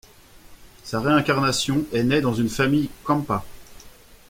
Sa réincarnation est née dans une famille Khampa.